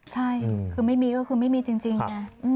ใช่คือไม่มีก็คือไม่มีจริงไง